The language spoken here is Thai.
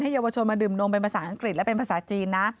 เยาวชนมาดื่มนมเป็นภาษาอังกฤษและเป็นภาษาจีนนะ